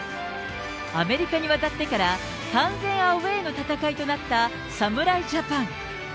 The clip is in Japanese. アメリカに渡ってから完全アウエーの戦いとなった侍ジャパン。